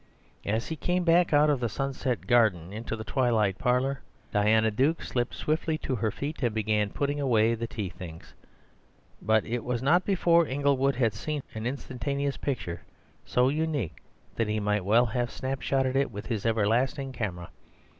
As he came back out of the sunset garden into the twilight parlour, Diana Duke slipped swiftly to her feet and began putting away the tea things. But it was not before Inglewood had seen an instantaneous picture so unique that he might well have snapshotted it with his everlasting camera.